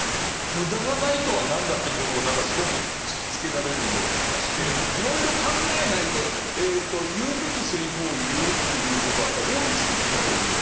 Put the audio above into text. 無駄がないとは何だってことをすごく突きつけられるような気がしていろいろ考えないで言うべきセリフを言うっていうことは効率的とも言える。